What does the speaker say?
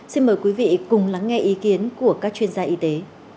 xin mời quý vị cùng lắng nghe ý kiến của các chuyên gia y tế